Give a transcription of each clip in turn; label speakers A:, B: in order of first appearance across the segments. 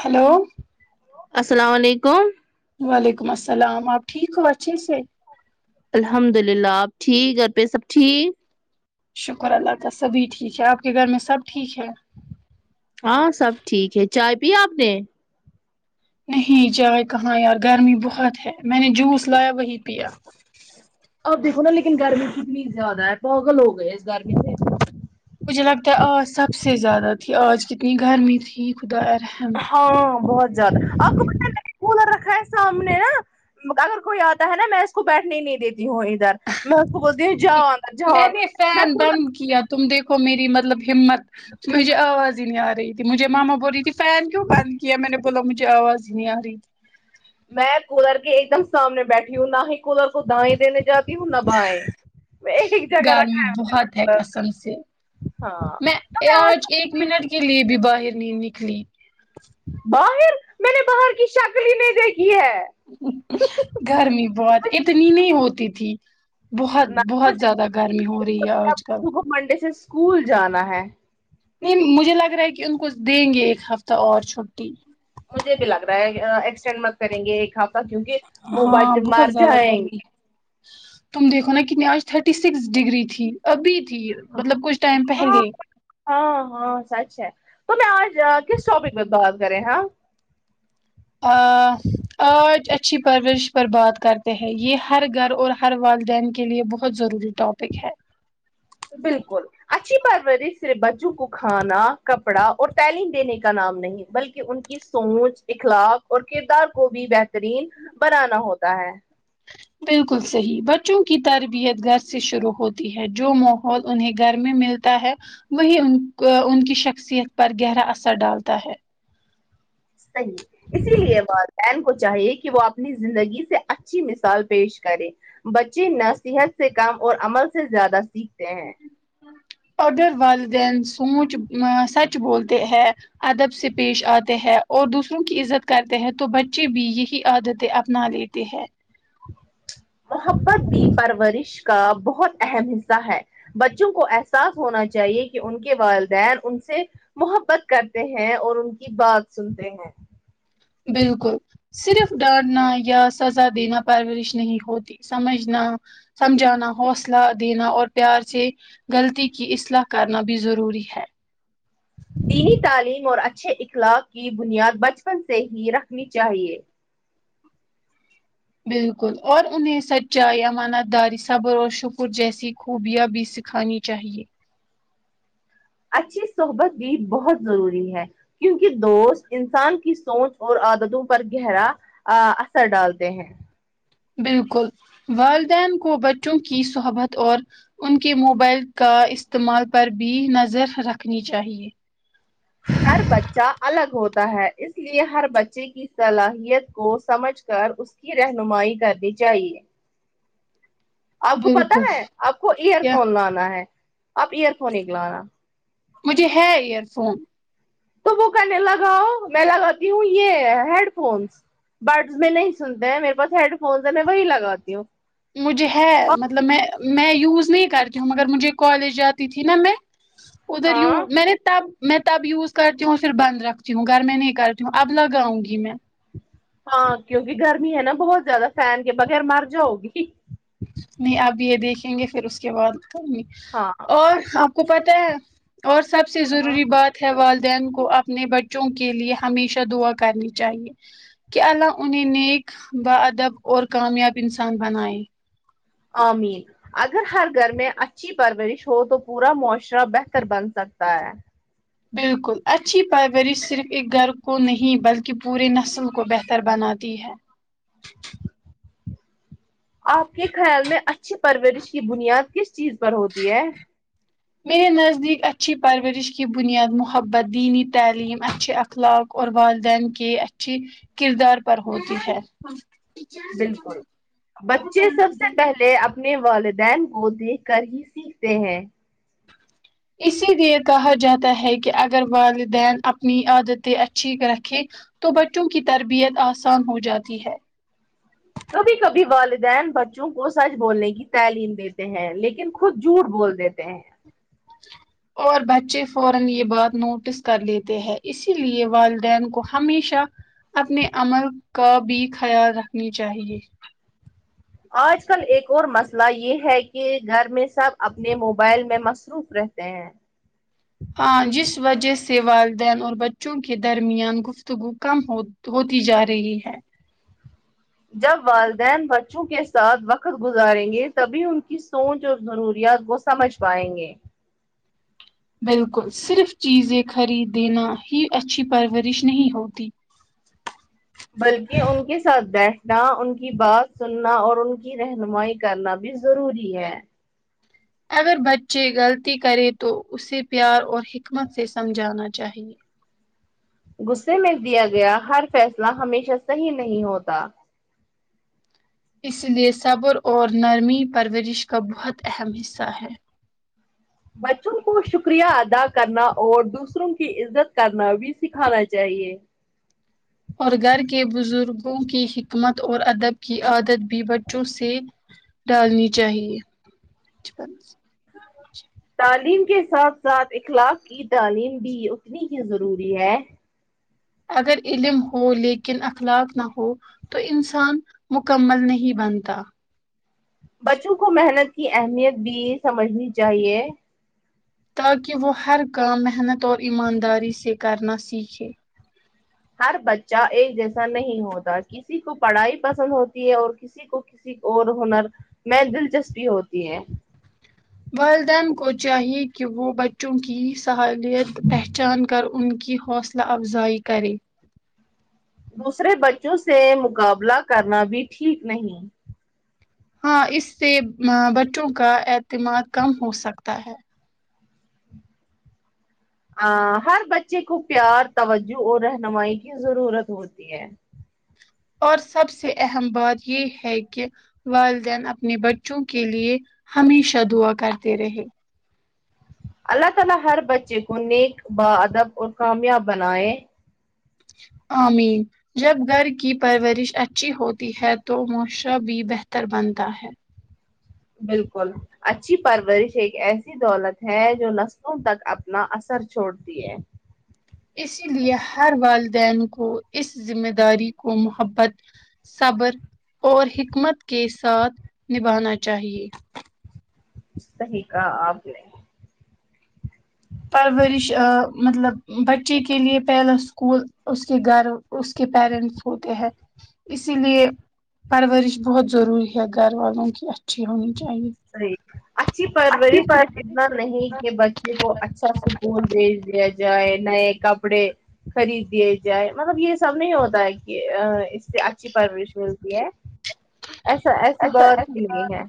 A: Hello
B: السلام وعلیکم
A: وعلیکم السلام آپ ٹھیک ہو اچھے سے
B: الحمد للہ آپ ٹھیک گھر پہ سب ٹھیک
A: شکر اللہ کا سبھی ٹھیک ہے آپ کے گھر میں سب ٹھیک ہے
B: ہاں سب ٹھیک ہے چائے پی آپ نے
A: نہیں چائے کہاں یار گرمی بہت ہے میں نے جوس لایا وہی پیا
B: اب دیکھو نا لیکن گرمی کتنی زیادہ ہے پاگل ہو گئے اس گرمی سے
A: مجھے لگتا ہے آج سب سے زیادہ تھی آج کتنی گرمی تھی خدا یا رحم
B: ہاں بہت زیادہ اپکوپتا ہے میںنے کولر رکھا ہے سامنے نا اگر کوئی آتا ہے نا میں اس کو بیٹھنے ہی نہیں دیتی ہوں ادھر میں اس کو بولتی ہوں جان
A: میں نے فین بند کیا تم دیکھو میری مطلب ہمت مجھے آواز ہی نہیں آ رہی مجھے ماما بول رہی تھی فین کیوں بند کیا میں نے بولا مجھے آواز ہی نہیں آ رہی تھی
B: میں کولر کے ایک دم سامنے بیٹھی ہوں نہ ہی کولر کو دائیں دینے جاتی ہوں نہ بائیں میں ایک جگہ
A: گرمی
B: رکھا ہے میں نے
A: بہت ہے
B: کولر۔
A: قسم سے میں آج ایک منٹ کے لیے بھی باہر نہیں نکلی
B: باہر میں نے باہر کی شکل ہی نہیں دیکھی ہے
A: گرمی بہت اتنی نہیں ہوتی تھی بہت بہت زیادہ گرمی ہو رہی ہے آج کل
B: وہ منڈے سے اسکول جانا ہے
A: نہیں مجھے لگ رہا ہے کہ ان کو دیں گے ایک ہفتہ اور چھٹی
B: مجھے بھی لگ رہا ہے ایکسٹینڈ مت کریں گے ایک ہفتہ کیونکہ بو
A: ہاں
B: ب مار
A: بہت زیادہ
B: جائیں گے
A: گرمی تم دیکھو نا کتنی آج تھرٹی سیکس ڈگری تھی ابھی تھی مطلب کچھ ٹائم
B: ہاں
A: پہلے
B: ہاں ہاں سچ ہے تو میں آج کس ٹاپک میں بات کریں ہاں
A: آ آج اچھی پرورش پر بات کرتے ہیں یہ ہر گھر اور ہر والدین کے لیے بہت ضروری ٹاپک ہے
B: بالکل اچھی پرورش صرف بچوں کو کھانا کپڑا اور تعلیم دینے کا نام نہیں بلکہ ان کی سوچ اخلاق اور کردار کو بھی بہترین بنانا ہوتا ہے
A: بالکل صحیح بچوں کی تربیت گھر سے شروع ہوتی ہے جو ماحول انہیں گھر میں مل تا ہے وہی ان ان کی شخصیت پر گہرا اثر ڈالتا ہے
B: صحیح اسی لیے والدین کو چاہیے کہ وہ آپ اپنی زندگی سے اچھی مثال پیش کرے بچے نصیحت سے کام اور عمل سے زیادہ سیکھتے ہیں
A: اگر والدین سوچ سچ بولتے ہے ادب سے پیش آتے ہیں اور دوسروں کی عزت کرتے ہیں تو بچے بھی یہی عادتیں اپنا لیتی ہے
B: محبت بھی پرورش کا بہت اہم حصہ ہے بچوں کو احساس ہونا چاہیے کہ ان کے والدین ان سے محبت کرتے ہیں اور ان کی بات سنتے ہیں
A: بالکل صرف ڈانٹنا یا سزا دینا پرورش نہیں ہوتی سمجھنا سمجھانا حوصلہ دینا اور پیار سے غلطی کی اصلاح کرنا بھی ضروری ہے
B: دینی تعلیم اور اچھے اخلاق کی بنیاد بچپن سے ہی رکھنی چاہیے
A: بالکل اور انہیں سچائی ایامانت داری صبر و شکر جیسی خوبیاں بھی سکھانی چاہیے
B: اچھی صحبت بھی بہت ضروری ہے کیونکہ دوست انسان کی سوچ اور عادتوں پر گہرا آ اثر ڈالتے ہیں
A: بالکل والدین کو بچوں کی صحبت اور ان کے موبائل کا استعمال پر بھی نظر رکھنی چاہیے
B: ہر بچہ الگ ہوتا ہے اس لیے ہر بچے کی صلاحیت کو سمجھ کر اس کی رہنمائی کرنی چاہیے آپ کو پتا
A: بالکل
B: ہے آپ کو ایئر
A: کیا
B: فون لانا ہے آپ ایئر فون لانا
A: مجھے ہے ایئر فون
B: تو وہ کرنے لگاؤ میں لگاتی ہوں یہ ہیڈ فونس برڈس میں نہیں سنتے ہیں میرے پاس ہیڈ فونس ہے میں وہی لگاتی ہوں
A: مجھے ہے مطلب میں میں یوز نہیں کرتی ہوں مگر مجھے کالج جاتی تھی نا میں ادھر یو
B: ہاں
A: میں نے تب میں تب یوز کرتی ہوں پھر بند رکھتی ہوں گھر میں نہیں کرتی ہوں اب لگاؤں گی میں
B: ہاں کیونکہ گرمی ہے نا بہت زیادہ فھین کے بغیر مر جاؤ گی
A: نہیں اب یہ دیکھیں گے پھر اس کے بعد
B: ہاں
A: اور آپ کو پتہ ہے اور سب سے
B: ہاں
A: ضروری بات والدین کو اپنے بچوں کے لیے ہمیشہ دعا کرنی چاہیے کہ اللہ انہیں نیک با ادب اور کامیاب انسان بنائے
B: آمین اگر ہر گھر میں اچھی پرورش ہو تو پورا معاشرہ بہتر بن سکتا ہے
A: بالکل اچھی پروریش صرف ایک گھر کو نہیں بلکہ پورے نسل کو بہتر بناتی ہے
B: آپ کے خیال میں اچھا اچھی پرورش کی بنیاد کس چیز پر ہوتی ہے
A: میرے نزدیک اچھی پرورش کی بنیاد محبت دینی تعلیم اچھے اخلاق اور والدین کے اچھی کردار پر ہوتی ہے
B: بالکل بچے سب سے پہلے اب اپنے والدین کو دیکھ کر ہی سیکھتے ہیں
A: اسی لیے کہا جاتا ہے کہ اگر والدین اپنی عادتیں اچھی رکھیں تو بچوں کی تربیت آسان ہو جاتی ہے
B: کبھی کبھی والدین بچوں کو سچ بولنے کی تعلیم دیتے ہیں لیکن خود جھوٹ بول دیتے ہیں
A: اور بچے فورا یہ بات نوٹس کر لیتے ہیں اسی لیے والدین کو ہمیشہ اپنے عمل کا بھی خیال رکھنی چاہیے
B: آج کل ایک اور مسئلہ یہ ہے کہ گھر میں سب اپنے موبائل میں مصروف رہتے ہیں
A: ہاں جس وجہ سے والدین اور بچوں کے درمیان گفتگو کم ہو ہوتی جا رہی ہے
B: جب والدین بچوں کے ساتھ وقت گزاریں گے تبھی ان کی سوچ اور ضروریات کو سمجھ پائیں گے
A: بالکل صرف چیزیں خرید دینا ہی اچھی پرورش نہیں ہوتی
B: بلکہ ان کے ساتھ بیٹھنا ان کی بات سننا اور ان کی رہنمائی کرنا بھی ضروری ہے
A: اگر بچے غلطی کرے تو اسے پیار اور حکمت سے سمجھانا چاہیے
B: غصے میں دیا گیا ہر فیصلہ ہمیشہ صحیح نہیں ہوتا
A: اس لیے صبر اور نرمی پرورش کا بہت اہم حصہ ہے
B: بچوں کو شکریہ ادا کرنا اور دوسروں کی عزت کرنا بھی سکھانا چاہیے
A: اور گھر کے بزرگوں کی حکمت اور ادب کی عادت بھی بچوں سے ڈالنی چاہیے
B: تعلیم کے ساتھ ساتھ اخلاق کی تعلیم بھی اتنی ہی ضروری ہے
A: اگر علم ہو لیکن اخلاق نہ ہو تو انسان مکمل نہیں بنتا
B: بچوں کو محنت کی اہمیت بھی سمجھنی چاہیے
A: تاکہ وہ ہر کام محنت اور ایمانداری سے کرنا سیککھے
B: ہر بچہ ایک جیسا نہیں ہوتا کسی کو پڑھائی پسند ہوتی ہے اور کسی کسی کو کسی کو اور ہنر میں دلچسپی ہوتی ہے
A: والدین کو چاہیے کہ وہ بچوں کی صلالیت پہچان کر ان کی حوصلہ اصللہ افزائی کرے
B: دوسرے بچوں سے مقابلہ کرنا بھی ٹھیک نہیں
A: ہاں اس سے بچوں کا اعتماد کم ہو سکتا ہے
B: ا ہر بچے کو پیار توجہ اور رہنمائی کی ضرورت ہوتی ہے
A: اور سب سے اہم بات یہ ہے کہ والدین اپنے بچوں کے لیے ہمیشہ دعا کرتے رہے
B: اللہ تعالی ہر بچے کو نیک با ادب اور کامیاب بنائے
A: آمین جب گھر کی پرورش اچھی ہوتی ہے تو موشر بھی بہتر بنتا ہے
B: بالکل اچھی پرورش ایک ایسی دولت ہے جو نسلوں تک اپنا اثر چھوڑ تی ہے
A: اسی لیے ہر والدین کو اس ذمہ داری کو محبت صبر اور حکمت کے ساتھ نبھانا چاہیے
B: سہی کہا آپ نے
A: پرورش مطلب بچے کے لیے پہلا اسکول اس کے گھر اس کے پیرنٹس ہوتے ہیں اسی لیے پرورش بہت ضروری ہے گھر والوں کی اچا اچھی ہونی چاہیے
B: اچھی پرورش صرف اتنا نہیں کہ بچے کو اچھا اسکول بھیج دیا جائے نئے کپڑے خرید دیے جائے مطلب یہ سب نہیں ہوتا ہے کہ اس سے اچھی پرورش ملتی ہے ایسا ایسی بات ہی نہیںئی ہے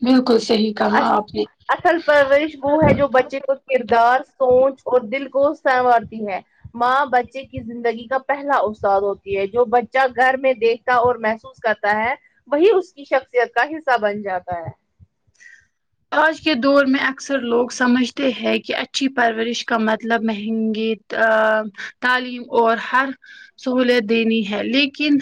A: بالکل صحیح کہا آپ نے
B: اصل پرورش وہ ہے جو بچے کو کردار سوچ اور دل کو سنوارتی ہے ماں بچے کی زندگی کا پہلا اتاد ہوتی ہے جو بچہ گھر میں دیکھتا اور محسوس کرتا ہے وہی اس کی شخصیت کا حصہ بن جاتا ہے
A: آج کے دور میں اکثر لوگ سمجھتے ہیں کہ اچھی پرورش کا مطلب مہنگی ا تعلیم اور ہر سہولت دینی ہے لیکن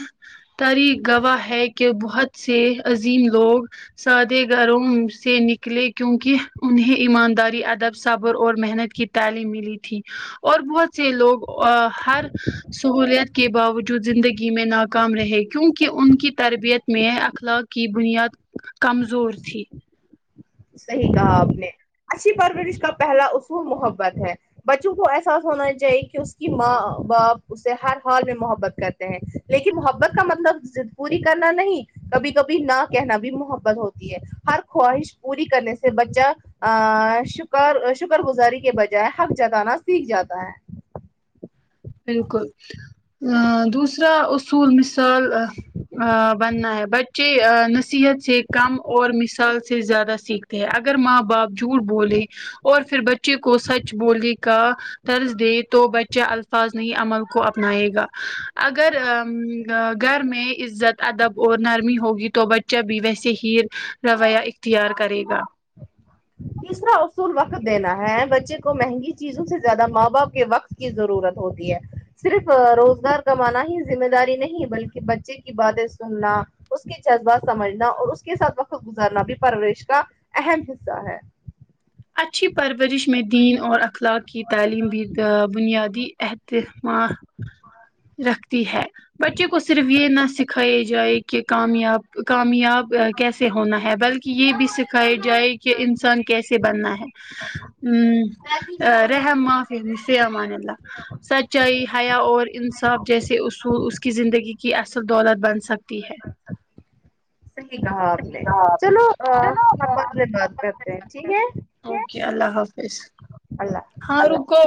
A: تاریع گواہ ہے کہ بہت سے عظیم لوگ سادے گروں سے نک لیے کیونک انہیں ایمانداری ادب صبر اور محنت کی تعلیم ملی تھی اور بہت سے لوگ ہر سہولت کے باوجود زندگی میں ناکام رہے کیونکہ ان کی تربیت میں اخلاق کی بنیاد کمزور تھی
B: صحیح کہا آپ نے اچھی پرورش کا پہلا اصو محبت ہے بچوں کو احساس ہونا چاہیے کہ اس کی ماں باپ اسے ہر حال میں محبت کرتے ہیں لیکن محبت کا مطلب زد پوری کرنا نہیں کبھی کبھی نہ کہنا بھی محبت ہوتی ہے ہر خواہش پوری کرنے سے بچہ ا شکر شکر گزاری کے بجائے حق جتانا سیکھ جاتا ہے
A: بالکل ا دوسرا اصول مثال بننا ہے بچے نصیحت سے کم اور مثال سے زیادہ سیکھ اگر ماں باپ جھوٹ بولے اور پھر بچے کو سچ بولنے کا طرز دے تو بچہ فاظن عمل کو اپنائے گا اگر ا گھر میں عزت ادب اور نرمی ہوگی تو بچہ بھی ویسے ہییر رویہ اختیار کرے گا
B: تسرا اصول وقت دینا ہے بچے کو مہنگی چیزوں سے زیادہ ماں باپ کے وقت کی ضرورت ہوتی ہے صرف روزگار کمانا ہی ذمہ داری نہیں بلکہ بچے کی باتیں سننا اس کے جذبات سمجھنا اور اس کے ساتھ وقت گزارنا بھی پروریش کا اہم حص سا ہے
A: اچھی پرورش میں دین اور اخلاق کی تعلیم بھی بنیادی احتمک رکھتی ہے بچے کو صرف یہ نہ سکھایا جائے کہ کامیاب کامیاب کیسے ہونا ہے بلکہ یہ بھی سیکھتے سیکھے جائے کہ انسان کیسے بننا ہے ہمم رحمافی فی آما نیللہ سچائی حیا اور انصاف جیسے اصول اس کی زندگی کی اصل دولت بن سکتا
B: اچھا صحیح کہا آپ نے چلو ہم بعد دن بات کرتے ہیں ٹھیک ہے
A: اوکے اللہ حافظ
B: اللہ
A: ہاں
B: حافظ
A: رکو